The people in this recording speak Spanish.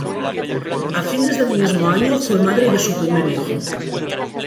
A fines del mismo año fue madre de su primer hijo.